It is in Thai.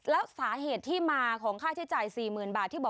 แล้วสาเหตุที่มีมาของค่าใช้จ่าย๔๐๐๐๐บาท